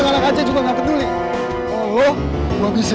ngajak juga nggak peduli allah tuhan bisa